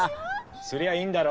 すりゃあいいんだろ！